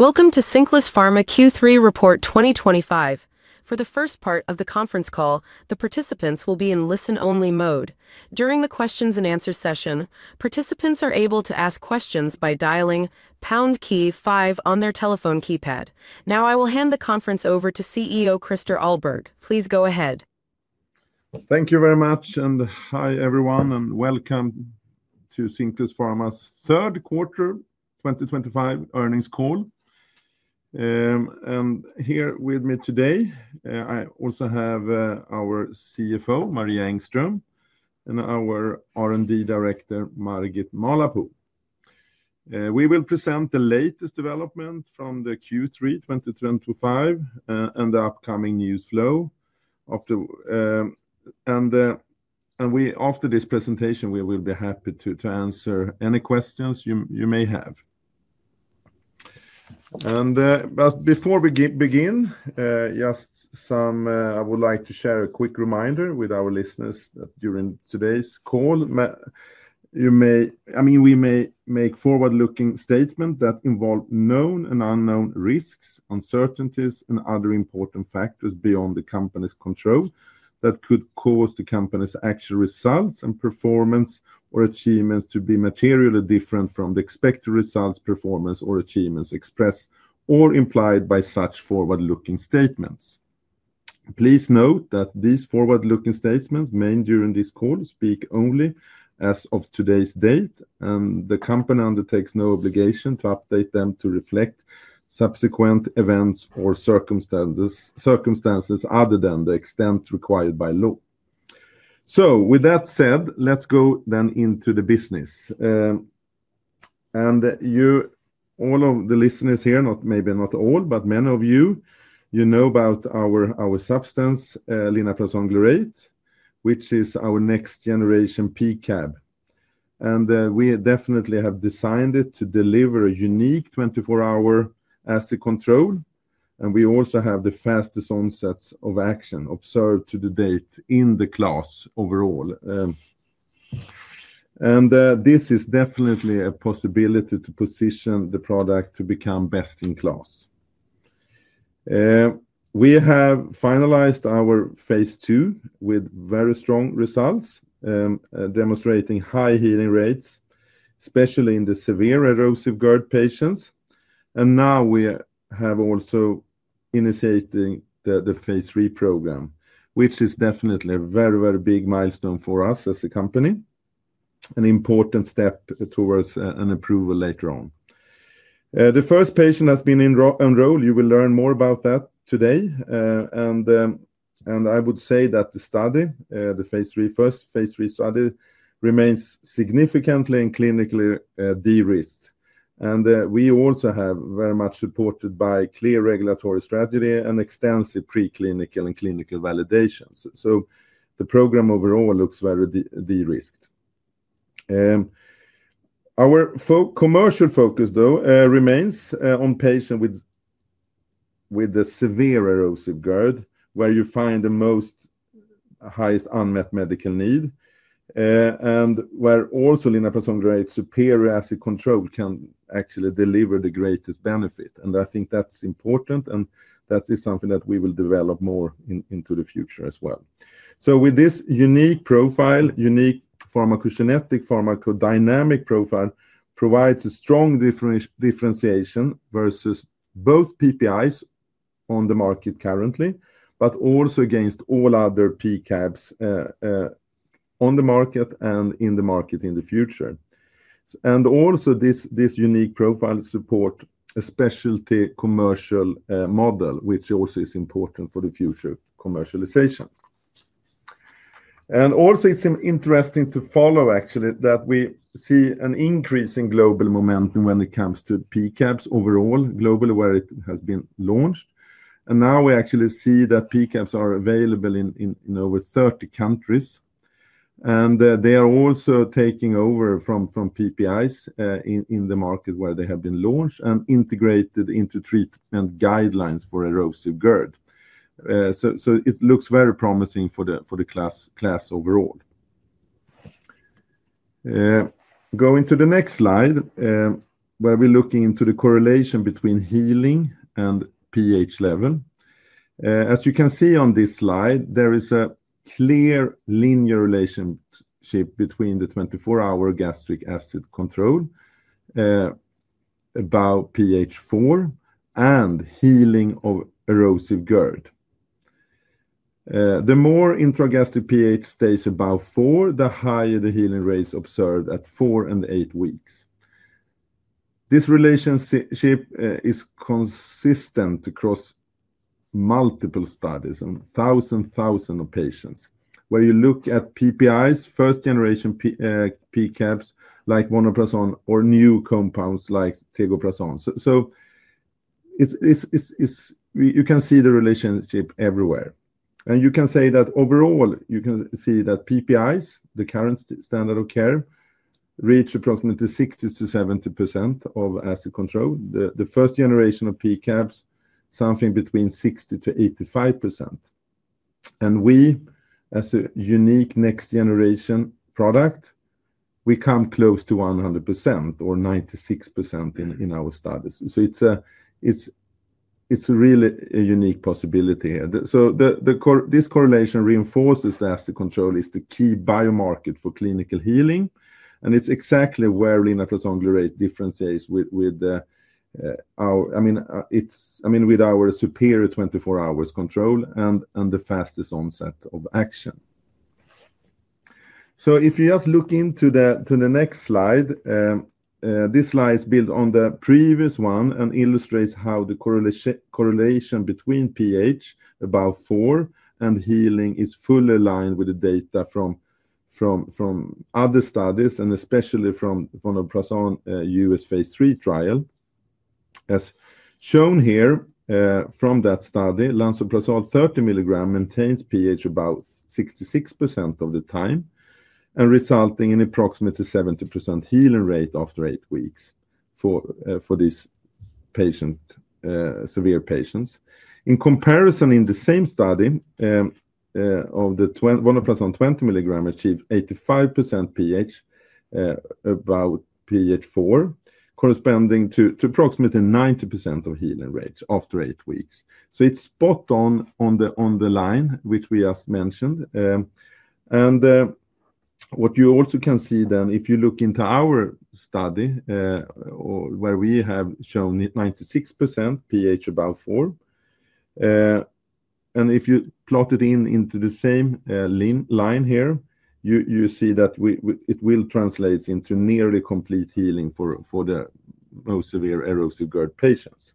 Welcome to Cinclus Pharma Q3 Report 2025. For the first part of the conference call, the participants will be in listen-only mode. During the Q&A session, participants are able to ask questions by dialing pound key five on their telephone keypad. Now, I will hand the conference over to CEO Christer Ahlberg. Please go ahead. Thank you very much, and hi everyone, and welcome to Cinclus Pharma's third quarter earnings call. Here with me today, I also have our CFO, Maria Engström, and our R&D Director, Margit Mahlapuu. We will present the latest development from the Q3 2025 and the upcoming news flow. After this presentation, we will be happy to answer any questions you may have. Before we begin, just some—I would like to share a quick reminder with our listeners that during today's call, you may—I mean, we may make forward-looking statements that involve known and unknown risks, uncertainties, and other important factors beyond the company's control that could cause the company's actual results and performance or achievements to be materially different from the expected results, performance, or achievements expressed or implied by such forward-looking statements. Please note that these forward-looking statements made during this call speak only as of today's date, and the company undertakes no obligation to update them to reflect subsequent events or circumstances other than the extent required by law. With that said, let's go then into the business. You, all of the listeners here, not maybe not all, but many of you, you know about our substance, linaprazan glurate, which is our next-generation PCAB. We definitely have designed it to deliver a unique 24-hour acid control, and we also have the fastest onsets of action observed to the date in the class overall. This is definitely a possibility to position the product to become best in class. We have finalized our phase II with very strong results, demonstrating high healing rates, especially in the severe erosive GERD patients. We have also initiated the phase III program, which is definitely a very, very big milestone for us as a company and an important step towards approval later on. The first patient has been enrolled. You will learn more about that today. I would say that the study, the phase III study, remains significantly and clinically de-risked. We also have very much supported by clear regulatory strategy and extensive preclinical and clinical validations. The program overall looks very de-risked. Our commercial focus, though, remains on patients with the severe erosive GERD, where you find the most highest unmet medical need, and where also linaprazan glurate's superior acid control can actually deliver the greatest benefit. I think that's important, and that is something that we will develop more into the future as well. With this unique profile, unique pharmacogenetic pharmacodynamic profile, provides a strong differentiation versus both PPIs on the market currently, but also against all other PCABs on the market and in the market in the future. Also, this unique profile supports a specialty commercial model, which also is important for the future commercialization. It is interesting to follow, actually, that we see an increase in global momentum when it comes to PCABs overall, globally where it has been launched. Now we actually see that PCABs are available in over 30 countries. They are also taking over from PPIs in the market where they have been launched and integrated into treatment guidelines for erosive GERD. It looks very promising for the class overall. Going to the next slide, where we're looking into the correlation between healing and pH level. As you can see on this slide, there is a clear linear relationship between the 24-hour gastric acid control above pH 4 and healing of erosive GERD. The more intragastric pH stays above 4, the higher the healing rates observed at 4 weeks and 8 weeks. This relationship is consistent across multiple studies and thousands, thousands of patients where you look at PPIs, first-generation PCABs like vonoprazan or new compounds like tegoprazan. You can see the relationship everywhere. You can say that overall, you can see that PPIs, the current standard of care, reach approximately 60-70% of acid control. The first generation of PCABs, something between 60%-85%. We, as a unique next-generation product, we come close to 100% or 96% in our studies. It is a really unique possibility here. This correlation reinforces that acid control is the key biomarker for clinical healing. It is exactly where linaprazan glurate differentiates with our—I mean, with our superior 24-hour control and the fastest onset of action. If you just look into the next slide, this slide is built on the previous one and illustrates how the correlation between pH above 4 and healing is fully aligned with the data from other studies, and especially from the linaprazan U.S. phase III trial. As shown here from that study, lansoprazole 30 mg maintains pH about 66% of the time and results in approximately 70% healing rate after 8 weeks for these severe patients. In comparison, in the same study, linaprazan 20 mg achieved 85% pH above pH 4, corresponding to approximately 90% of healing rates after 8 weeks. It is spot on the line, which we just mentioned. What you also can see then, if you look into our study where we have shown 96% pH above 4, and if you plot it into the same line here, you see that it will translate into nearly complete healing for the most severe erosive GERD patients.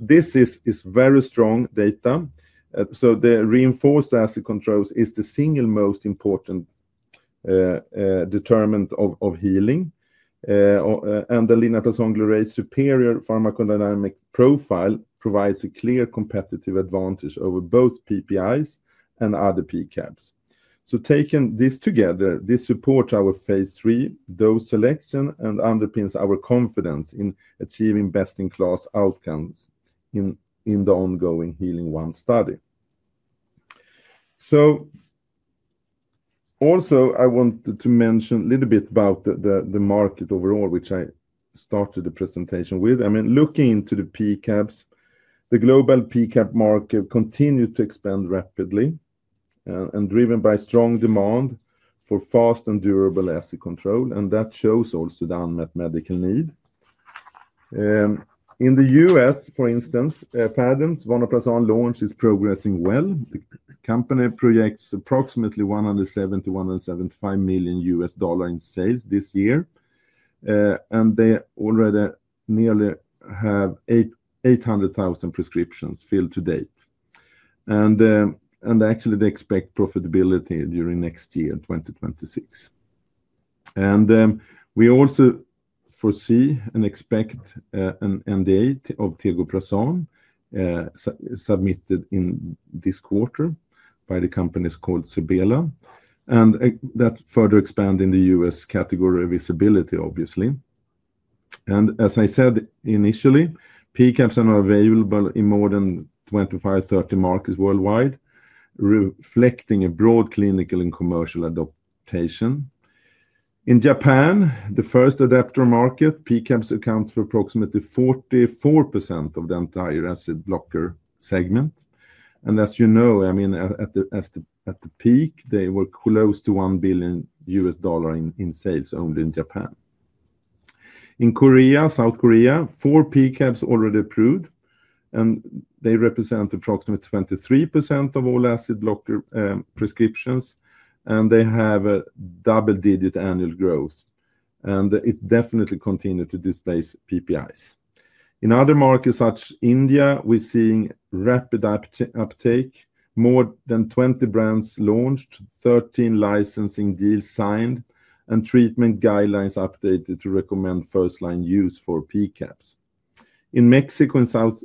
This is very strong data. The reinforced acid control is the single most important determinant of healing. The linaprazan glurate superior pharmacodynamic profile provides a clear competitive advantage over both PPIs and other PCABs. Taken this together, this supports our phase III dose selection and underpins our confidence in achieving best-in-class outcomes in the ongoing HEEALING 1 study. Also, I want to mention a little bit about the market overall, which I started the presentation with. I mean, looking into the PCABs, the global PCAB market continues to expand rapidly, driven by strong demand for fast and durable acid control. That shows also the unmet medical need. In the U.S., for instance, Phathom's linaprazan launch is progressing well. The company projects approximately $170 million-$175 million in sales this year. They already nearly have 800,000 prescriptions filled to date. Actually, they expect profitability during next year, 2026. We also foresee and expect an NDA of tegoprazan submitted in this quarter by the company called Sebela. That further expands in the U.S. category of visibility, obviously. As I said initially, PCABs are available in more than 25-30 markets worldwide, reflecting a broad clinical and commercial adaptation. In Japan, the first adapter market, PCABs account for approximately 44% of the entire acid blocker segment. As you know, I mean, at the peak, they were close to $1 billion in sales only in Japan. In South Korea, four PCABs already approved, and they represent approximately 23% of all acid blocker prescriptions, and they have a double-digit annual growth. It definitely continued to displace PPIs. In other markets such as India, we're seeing rapid uptake. More than 20 brands launched, 13 licensing deals signed, and treatment guidelines updated to recommend first-line use for PCABs. In Mexico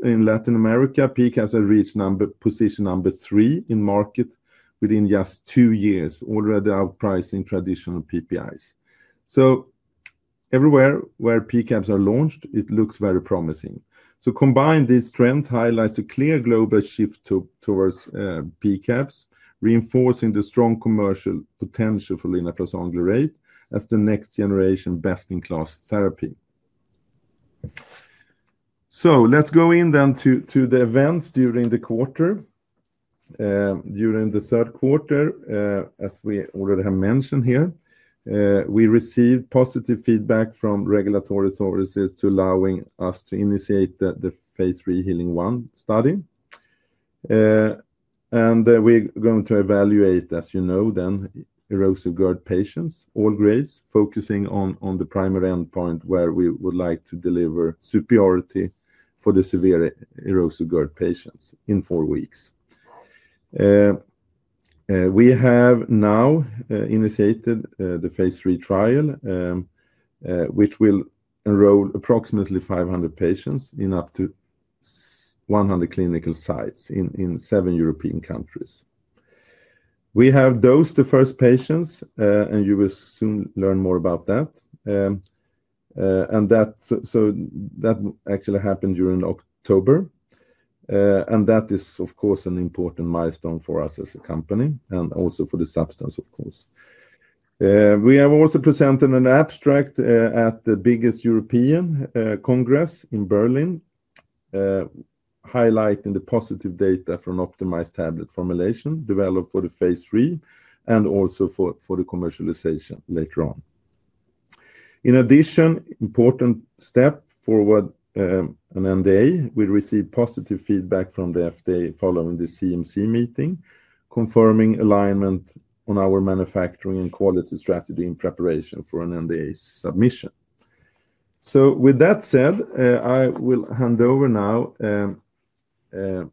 and Latin America, PCABs have reached position number three in market within just two years, already outpricing traditional PPIs. Everywhere where PCABs are launched, it looks very promising. Combined, this trend highlights a clear global shift towards PCABs, reinforcing the strong commercial potential for linaprazan glurate as the next-generation best-in-class therapy. Let's go in then to the events during the quarter. During the third quarter, as we already have mentioned here, we received positive feedback from regulatory authorities allowing us to initiate the phase III HEEALING 1 study. We're going to evaluate, as you know, then erosive GERD patients, all grades, focusing on the primary endpoint where we would like to deliver superiority for the severe erosive GERD patients in four weeks. We have now initiated the phase III trial, which will enroll approximately 500 patients in up to 100 clinical sites in seven European countries. We have dosed the first patients, and you will soon learn more about that. That actually happened during October. That is, of course, an important milestone for us as a company and also for the substance, of course. We have also presented an abstract at the biggest European congress in Berlin, highlighting the positive data from optimized tablet formulation developed for the phase III and also for the commercialization later on. In addition, an important step forward, an NDA, we received positive feedback from the FDA following the CMC meeting, confirming alignment on our manufacturing and quality strategy in preparation for an NDA submission. With that said, I will hand over now to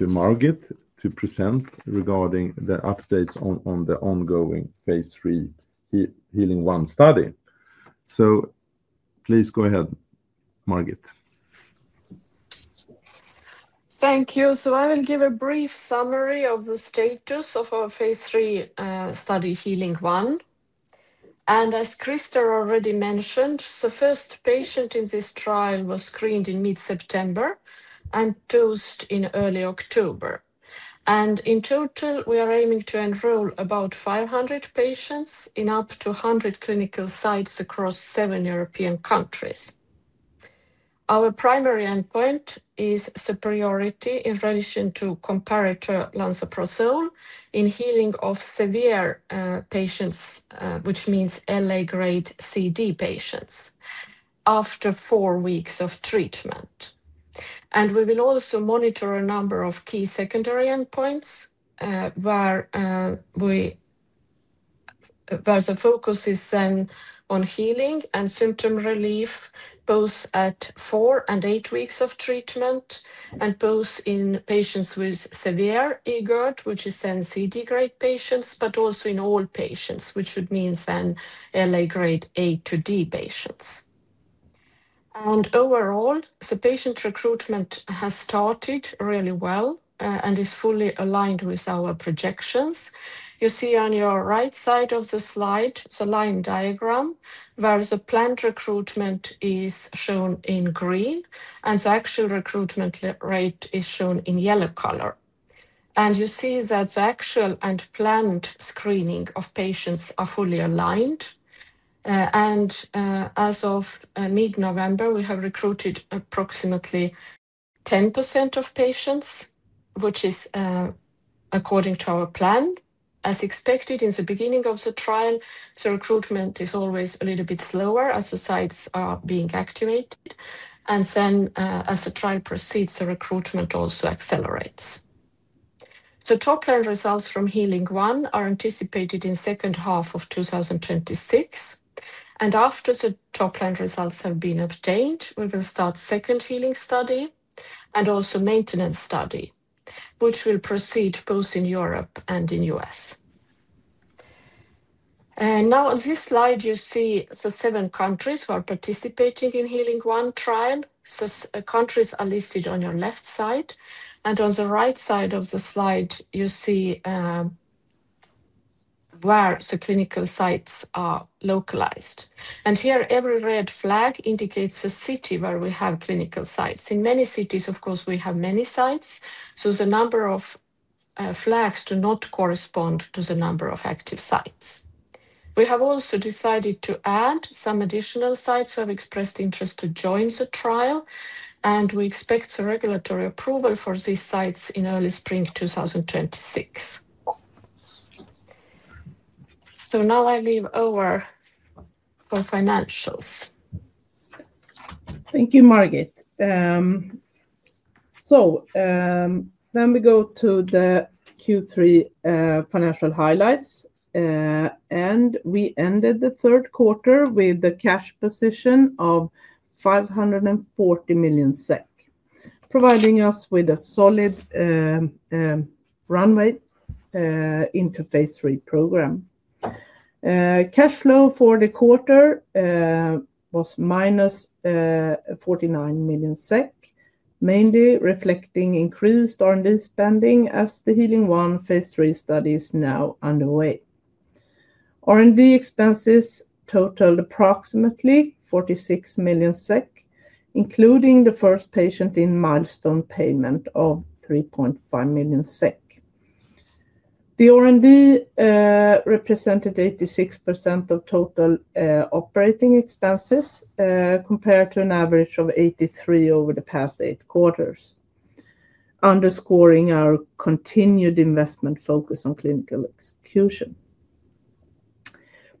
Margit to present regarding the updates on the ongoing phase III HEEALING 1 study. Please go ahead, Margit. Thank you. I will give a brief summary of the status of our phase III study, HEEALING 1. As Christer already mentioned, the first patient in this trial was screened in mid-September and dosed in early October. In total, we are aiming to enroll about 500 patients in up to 100 clinical sites across seven European countries. Our primary endpoint is superiority in relation to comparator Lansoprazole in healing of severe patients, which means LA-grade C/D patients, after four weeks of treatment. We will also monitor a number of key secondary endpoints where the focus is then on healing and symptom relief, both at four and eight weeks of treatment, and both in patients with severe eGERD, which is then C/D-grade patients, but also in all patients, which would mean then LA-grade A to D patients. Overall, the patient recruitment has started really well and is fully aligned with our projections. You see on your right side of the slide, the line diagram where the planned recruitment is shown in green, and the actual recruitment rate is shown in yellow color. You see that the actual and planned screening of patients are fully aligned. As of mid-November, we have recruited approximately 10% of patients, which is according to our plan. As expected in the beginning of the trial, the recruitment is always a little bit slower as the sites are being activated. As the trial proceeds, the recruitment also accelerates. Top-line results from HEEALING 1 are anticipated in the second half of 2026. After the top-line results have been obtained, we will start the second healing study and also a maintenance study, which will proceed both in Europe and in the U.S. On this slide, you see the seven countries who are participating in the HEEALING 1 trial. The countries are listed on your left side. On the right side of the slide, you see where the clinical sites are localized. Here, every red flag indicates the city where we have clinical sites. In many cities, of course, we have many sites. The number of flags does not correspond to the number of active sites. We have also decided to add some additional sites who have expressed interest to join the trial. We expect the regulatory approval for these sites in early spring 2026. Now I leave over for financials. Thank you, Margit. We go to the Q3 financial highlights. We ended the third quarter with the cash position of 540 million SEK, providing us with a solid runway into the phase III program. Cash flow for the quarter was -49 million SEK, mainly reflecting increased R&D spending as the HEEALING 1 phase III study is now underway. R&D expenses totaled approximately 46 million SEK, including the first patient in milestone payment of 3.5 million SEK. The R&D represented 86% of total operating expenses compared to an average of 83% over the past eight quarters, underscoring our continued investment focus on clinical execution.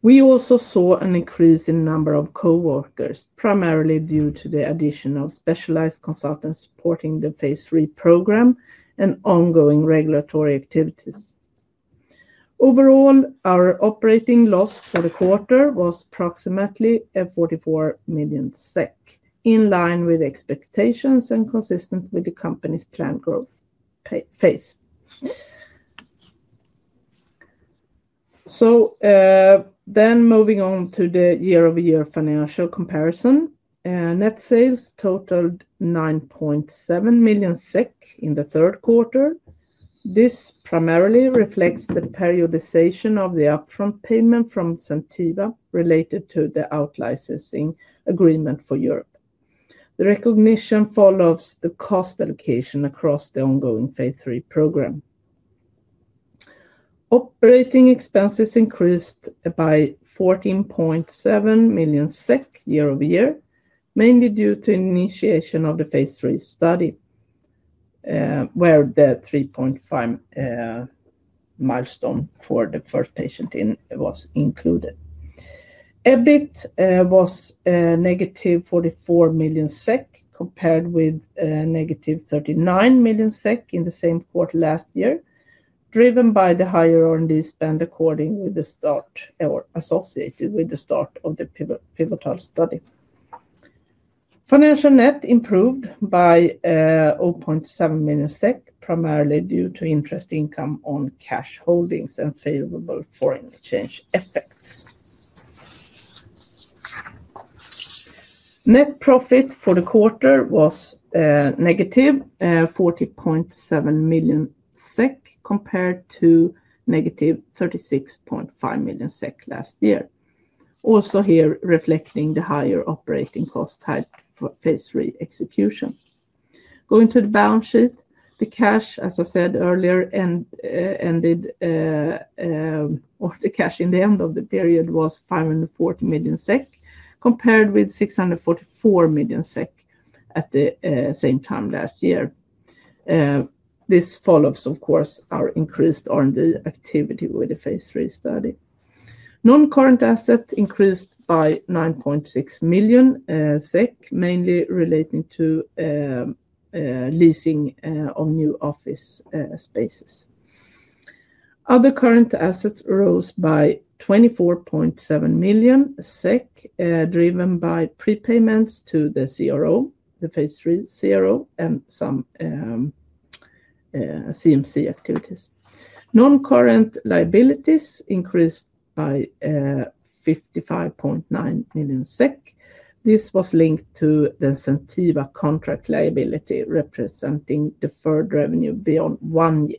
We also saw an increase in the number of coworkers, primarily due to the addition of specialized consultants supporting the phase III program and ongoing regulatory activities. Overall, our operating loss for the quarter was approximately 44 million SEK, in line with expectations and consistent with the company's planned growth phase. Moving on to the year-over-year financial comparison, net sales totaled 9.7 million SEK in the third quarter. This primarily reflects the periodization of the upfront payment from Zentiva related to the outlicensing agreement for Europe. The recognition follows the cost allocation across the ongoing phase III program. Operating expenses increased by 14.7 million SEK year-over-year, mainly due to the initiation of the phase III study, where the 3.5 million milestone for the first patient was included. EBIT was -44 million SEK compared with -39 million SEK in the same quarter last year, driven by the higher R&D spend according with the start or associated with the start of the pivotal study. Financial net improved by 0.7 million SEK, primarily due to interest income on cash holdings and favorable foreign exchange effects. Net profit for the quarter was -40.7 million SEK compared to -36.5 million SEK last year, also here reflecting the higher operating cost tied to phase III execution. Going to the balance sheet, the cash, as I said earlier, ended or the cash in the end of the period was 540 million SEK compared with 644 million SEK at the same time last year. This follows, of course, our increased R&D activity with the phase III study. Non-current asset increased by 9.6 million SEK, mainly relating to leasing of new office spaces. Other current assets rose by 24.7 million SEK, driven by prepayments to the CRO, the phase III CRO, and some CMC activities. Non-current liabilities increased by 55.9 million SEK. This was linked to the Zentiva contract liability representing deferred revenue beyond one year.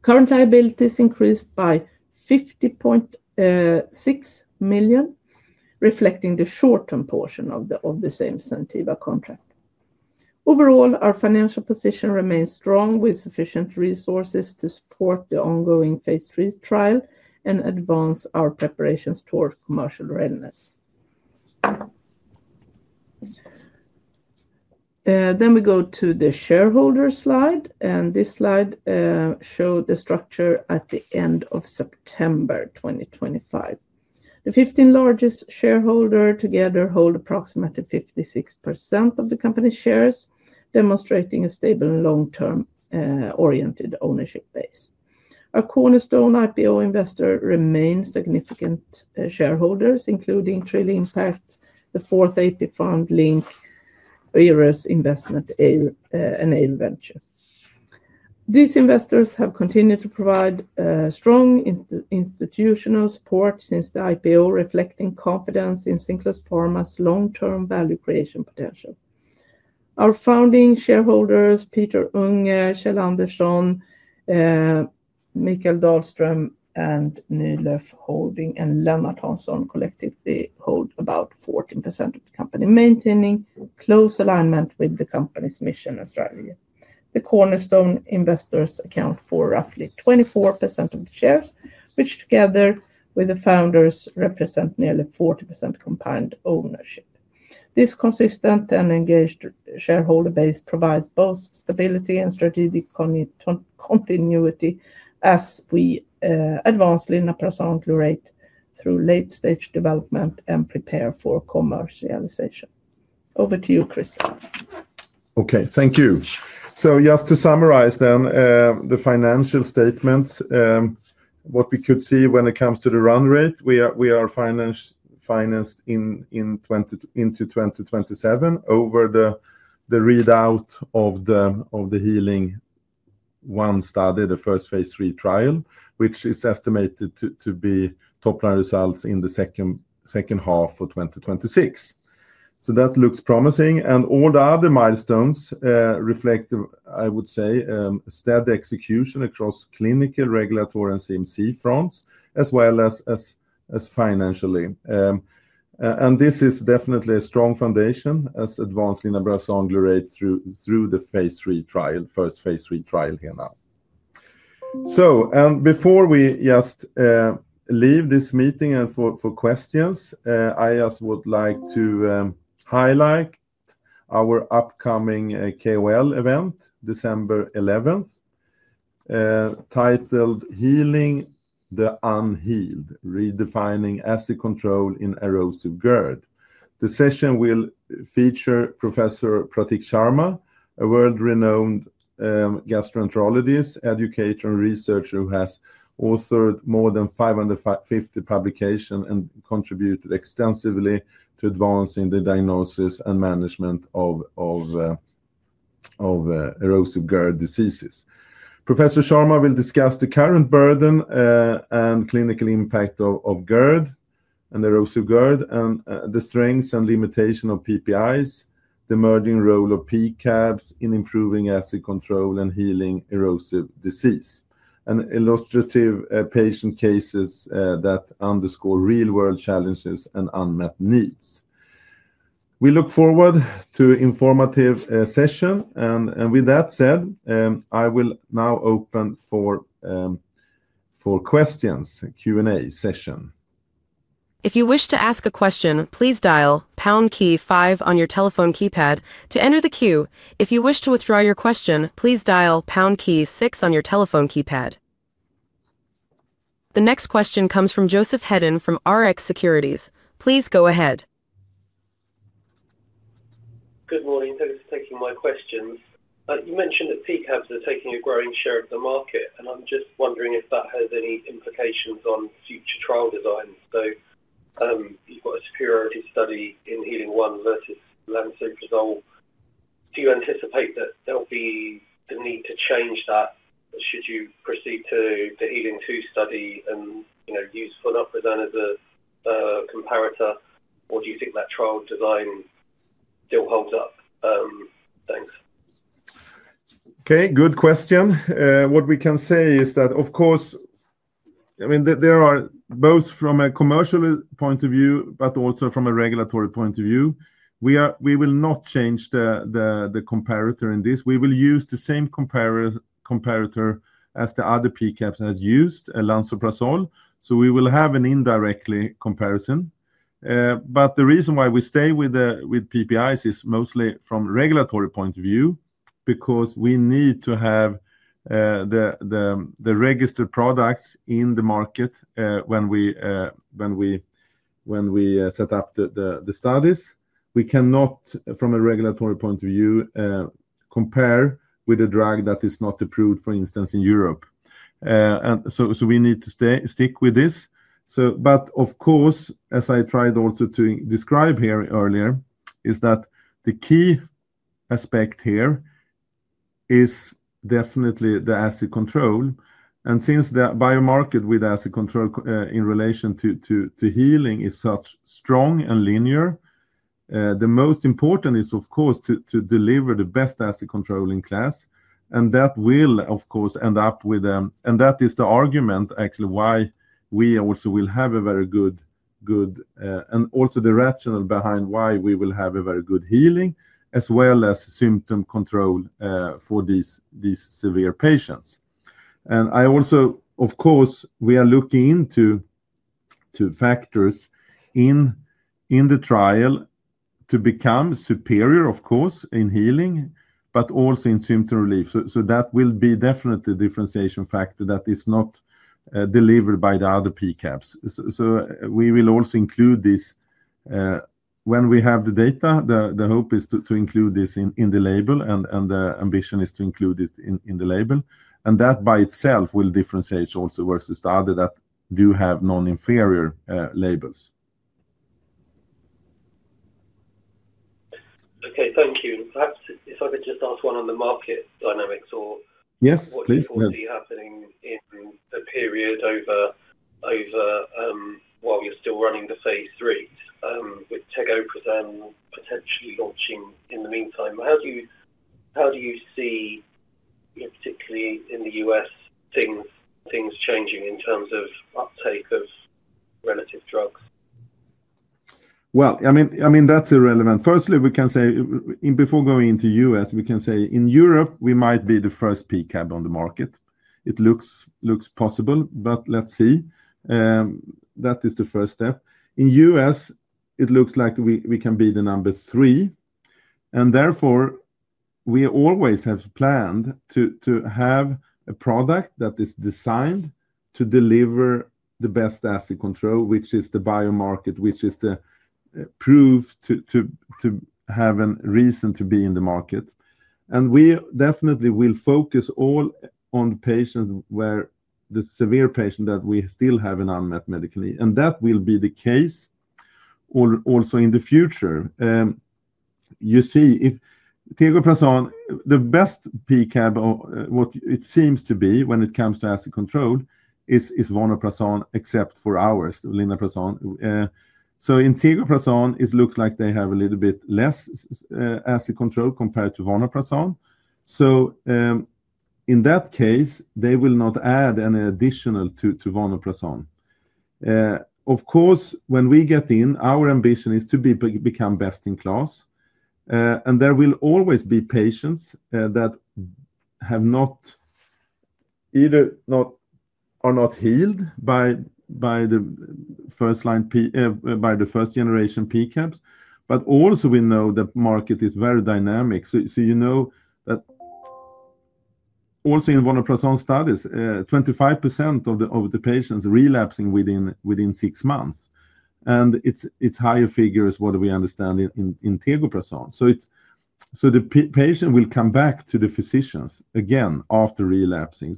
Current liabilities increased by 50.6 million, reflecting the short-term portion of the same Zentiva contract. Overall, our financial position remains strong with sufficient resources to support the ongoing phase III trial and advance our preparations toward commercial readiness. We go to the shareholder slide. This slide shows the structure at the end of September 2025. The 15 largest shareholders together hold approximately 56% of the company's shares, demonstrating a stable and long-term oriented ownership base. Our Cornerstone IPO investor remains significant shareholders, including Trill Impact, the Fourth AP Fund, [Link], Irrus Investment, and Eir Venture. These investors have continued to provide strong institutional support since the IPO, reflecting confidence in Cinclus Pharma's long-term value creation potential. Our founding shareholders, Peter Unger, Kjell Andersson, Mikael Dahlström, Nylöf Holding, and Lennart Hansson Collective, hold about 14% of the company, maintaining close alignment with the company's mission and strategy. The Cornerstone investors account for roughly 24% of the shares, which together with the founders represent nearly 40% combined ownership. This consistent and engaged shareholder base provides both stability and strategic continuity as we advance linaprazan glurate through late-stage development and prepare for commercialization. Over to you, Christer. Okay, thank you. Just to summarize then the financial statements, what we could see when it comes to the run rate, we are financed into 2027 over the readout of the HEEALING 1 study, the first phase III trial, which is estimated to be top-line results in the second half of 2026. That looks promising. All the other milestones reflect, I would say, steady execution across clinical, regulatory, and CMC fronts, as well as financially. This is definitely a strong foundation as we advance linaprazan glurate through the first phase III trial here now. Before we just leave this meeting for questions, I just would like to highlight our upcoming KOL event, December 11th, titled Healing the Unhealed: Redefining Acid Control in Erosive GERD. The session will feature Professor Prateek Sharma, a world-renowned gastroenterologist, educator, and researcher who has authored more than 550 publications and contributed extensively to advancing the diagnosis and management of erosive GERD diseases. Professor Sharma will discuss the current burden and clinical impact of GERD and erosive GERD and the strengths and limitations of PPIs, the emerging role of PCABs in improving acid control and healing erosive disease, and illustrative patient cases that underscore real-world challenges and unmet needs. We look forward to an informative session. With that said, I will now open for questions, Q&A session. If you wish to ask a question, please dial pound key five on your telephone keypad to enter the queue. If you wish to withdraw your question, please dial pound key six on your telephone keypad. The next question comes from Joseph Hedden from Rx Securities. Please go ahead. Good morning. Thanks for taking my questions. You mentioned that PCABs are taking a growing share of the market, and I'm just wondering if that has any implications on future trial designs. You have a superiority study in HEEALING 1 versus lansoprazole. Do you anticipate that there will be the need to change that should you proceed to the HEEALING 1 study and use vonoprazan as a comparator, or do you think that trial design still holds up? Thanks. Okay, good question. What we can say is that, of course, I mean, there are both from a commercial point of view, but also from a regulatory point of view, we will not change the comparator in this. We will use the same comparator as the other PCABs have used, lansoprazole. We will have an indirect comparison. The reason why we stay with PPIs is mostly from a regulatory point of view because we need to have the registered products in the market when we set up the studies. We cannot, from a regulatory point of view, compare with a drug that is not approved, for instance, in Europe. We need to stick with this. Of course, as I tried also to describe here earlier, the key aspect here is definitely the acid control. Since the biomarker with acid control in relation to healing is such strong and linear, the most important is, of course, to deliver the best acid control in class. That will, of course, end up with. That is the argument actually why we also will have a very good and also the rationale behind why we will have a very good healing as well as symptom control for these severe patients. I also, of course, we are looking into factors in the trial to become superior, of course, in healing, but also in symptom relief. That will be definitely a differentiation factor that is not delivered by the other PCABs. We will also include this when we have the data. The hope is to include this in the label, and the ambition is to include it in the label. That by itself will differentiate also versus the other that do have non-inferior labels. Okay, thank you. Perhaps if I could just ask one on the market dynamics or what's already happening in the period while you're still running the phase III with tegoprazan potentially launching in the meantime, how do you see, particularly in the U.S., things changing in terms of uptake of relative drugs? I mean, that's irrelevant. Firstly, we can say, before going into the U.S., we can say in Europe, we might be the first PCAB on the market. It looks possible, but let's see. That is the first step. In the U.S., it looks like we can be the number three. Therefore, we always have planned to have a product that is designed to deliver the best acid control, which is the biomarker, which is proved to have a reason to be in the market. We definitely will focus all on patients where the severe patient that we still have an unmet medical need. That will be the case also in the future. You see, tegoprazan, the best PCAB, what it seems to be when it comes to acid control is vonoprazan, except for ours, linaprazan glurate. In tegoprazan, it looks like they have a little bit less acid control compared to vonoprazan. In that case, they will not add any additional tovvonoprazan. Of course, when we get in, our ambition is to become best in class. There will always be patients that have not either not are not healed by the first generation PCABs. Also, we know the market is very dynamic. You know that also in vonoprazan studies, 25% of the patients relapsing within six months. It's higher figures what we understand in tegoprazan. The patient will come back to the physicians again after relapsing.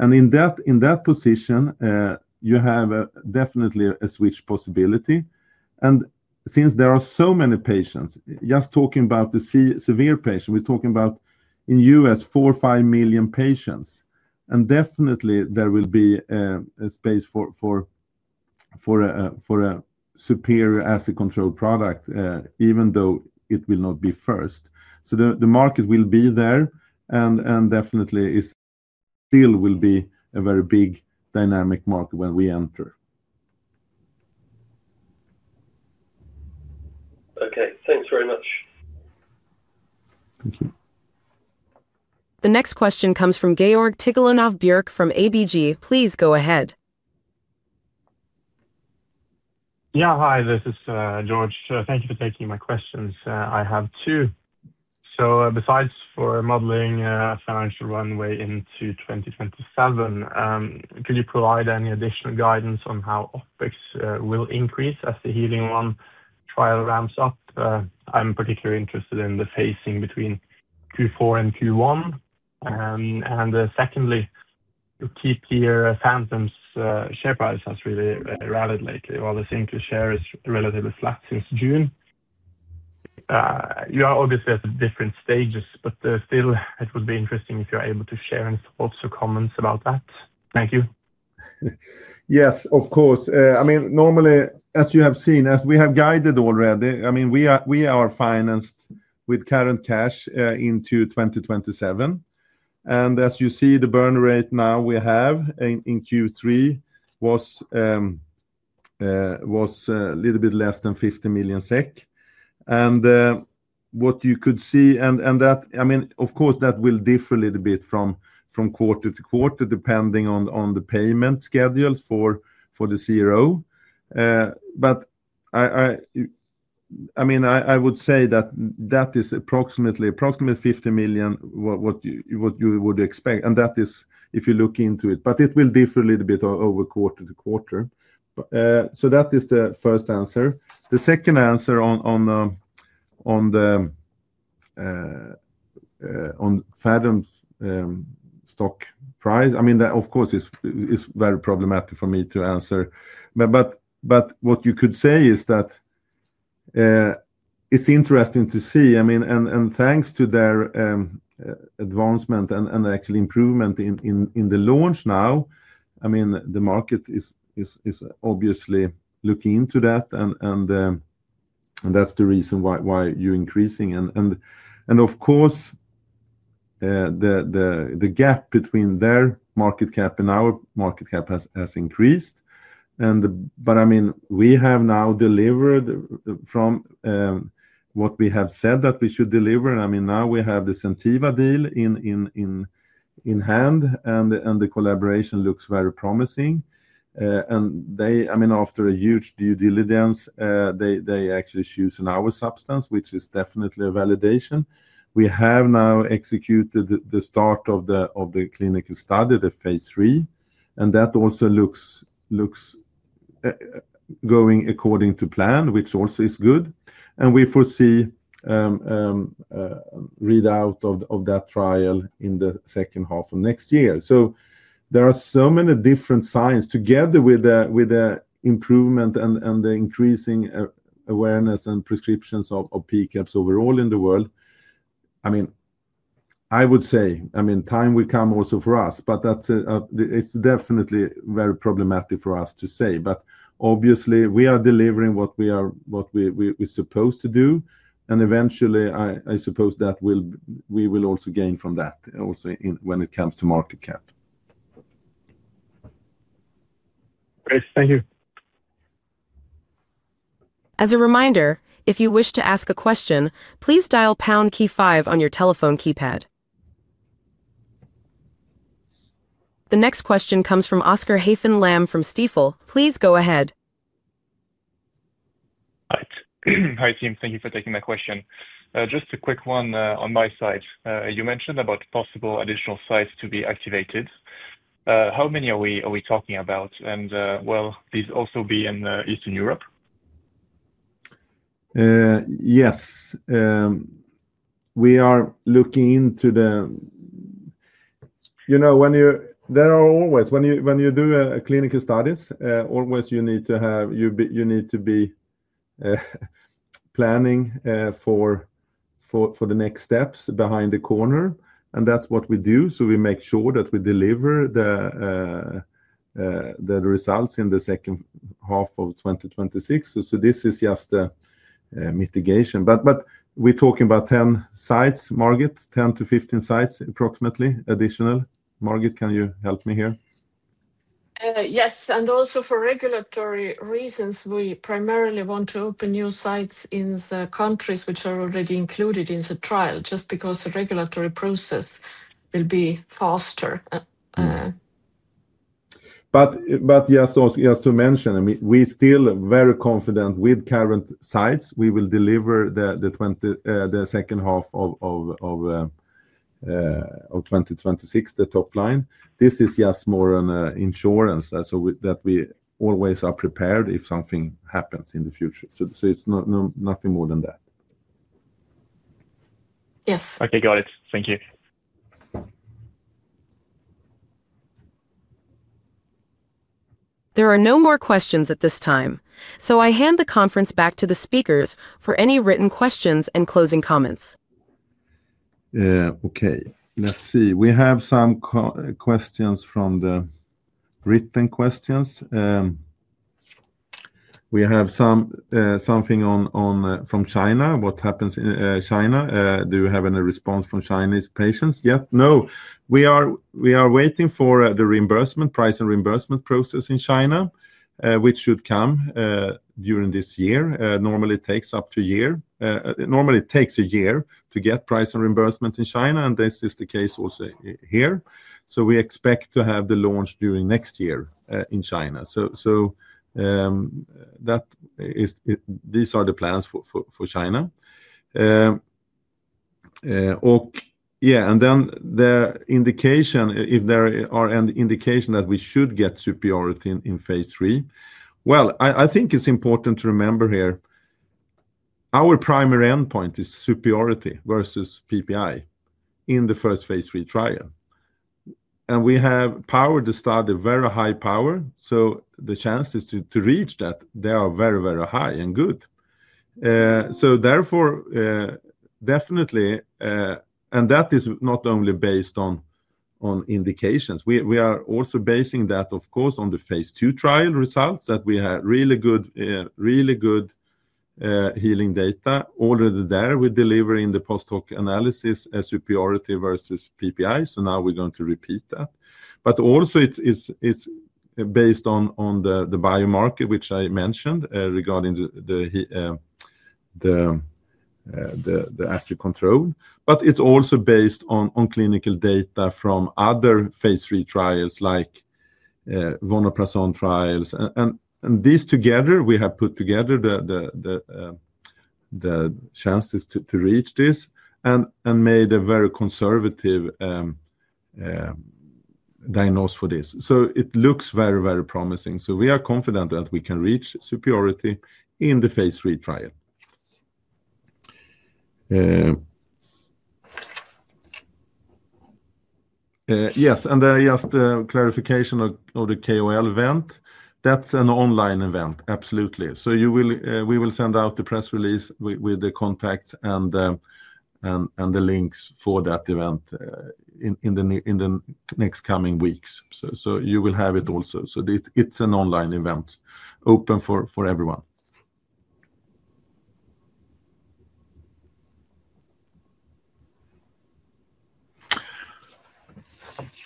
In that position, you have definitely a switch possibility. Since there are so many patients, just talking about the severe patient, we're talking about in the U.S., four or five million patients. Definitely, there will be a space for a superior acid control product, even though it will not be first. The market will be there. Definitely, it still will be a very big dynamic market when we enter. Okay, thanks very much. Thank you. The next question comes from Georg Tigalonov-Bjerke from ABG. Please go ahead. Yeah, hi, this is George. Thank you for taking my questions. I have two. Besides for modeling a financial runway into 2027, could you provide any additional guidance on how OpEx will increase as the HEEALING 1 trial ramps up? I'm particularly interested in the phasing between Q4 and Q1. Secondly, your key peer, Phathom's share price has really rallied lately. While the Cinclus share is relatively flat since June, you are obviously at different stages, but still, it would be interesting if you're able to share any thoughts or comments about that. Thank you. Yes, of course. I mean, normally, as you have seen, as we have guided already, I mean, we are financed with current cash into 2027. As you see, the burn rate now we have in Q3 was a little bit less than 50 million SEK. What you could see, and that, I mean, of course, that will differ a little bit from quarter to quarter depending on the payment schedules for the CRO. I would say that that is approximately 50 million what you would expect. If you look into it, it will differ a little bit quarter to quarter. That is the first answer. The second answer on Phathom's stock price, I mean, of course, is very problematic for me to answer. What you could say is that it's interesting to see. I mean, thanks to their advancement and actually improvement in the launch now, the market is obviously looking into that. That's the reason why you're increasing. Of course, the gap between their market cap and our market cap has increased. I mean, we have now delivered from what we have said that we should deliver. I mean, now we have the Zentiva deal in hand, and the collaboration looks very promising. They, I mean, after a huge due diligence, actually choose our substance, which is definitely a validation. We have now executed the start of the clinical study, the phase III. That also looks going according to plan, which also is good. We foresee readout of that trial in the second half of next year. There are so many different signs together with the improvement and the increasing awareness and prescriptions of PCABs overall in the world. I mean, I would say, I mean, time will come also for us, but it's definitely very problematic for us to say. Obviously, we are delivering what we are supposed to do. Eventually, I suppose that we will also gain from that also when it comes to market cap. Great. Thank you. As a reminder, if you wish to ask a question, please dial pound key five on your telephone keypad. The next question comes from Oscar Haffen Lamm from Stifel. Please go ahead. Hi, team. Thank you for taking my question. Just a quick one on my side. You mentioned about possible additional sites to be activated. How many are we talking about? Will these also be in Eastern Europe? Yes. We are looking into the there are always when you do clinical studies, always you need to have you need to be planning for the next steps behind the corner. That is what we do. We make sure that we deliver the results in the second half of 2026. This is just a mitigation. We are talking about 10 sites, Margit, 10-15 sites approximately additional. Margit, can you help me here? Yes. Also, for regulatory reasons, we primarily want to open new sites in the countries which are already included in the trial just because the regulatory process will be faster. Yes, to mention, we're still very confident with current sites. We will deliver the second half of 2026, the top line. This is just more an insurance that we always are prepared if something happens in the future. It is nothing more than that. Yes. Okay, got it. Thank you. There are no more questions at this time. I hand the conference back to the speakers for any written questions and closing comments. Okay. Let's see. We have some questions from the written questions. We have something from China. What happens in China? Do you have any response from Chinese patients yet? No. We are waiting for the price and reimbursement process in China, which should come during this year. Normally, it takes up to a year. Normally, it takes a year to get price and reimbursement in China. This is the case also here. We expect to have the launch during next year in China. These are the plans for China. Yeah. Then the indication, if there are any indication that we should get superiority in phase III, I think it's important to remember here, our primary endpoint is superiority versus PPI in the first phase III trial. We have power to start a very high power. The chances to reach that, they are very, very high and good. Therefore, definitely, and that is not only based on indications. We are also basing that, of course, on the phase II trial results that we have really good healing data already there. We're delivering the post-hoc analysis as superiority versus PPI. Now we're going to repeat that. It is also based on the biomarker, which I mentioned regarding the acid control. It is also based on clinical data from other phase III trials like vonoprazan trials. These together, we have put together the chances to reach this and made a very conservative diagnosis for this. It looks very, very promising. We are confident that we can reach superiority in the phase III trial. Yes. Just clarification of the KOL event. That's an online event, absolutely. We will send out the press release with the contacts and the links for that event in the next coming weeks. You will have it also. It is an online event open for everyone.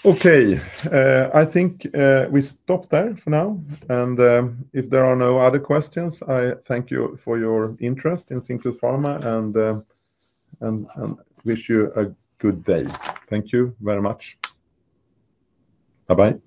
Okay. I think we stop there for now. If there are no other questions, I thank you for your interest in Cinclus Pharma and wish you a good day. Thank you very much. Bye-bye.